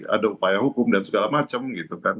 ada upaya hukum dan segala macam gitu kan